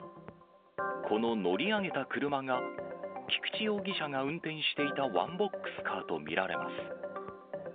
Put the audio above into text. この乗り上げた車が、菊地容疑者が運転していたワンボックスカーと見られます。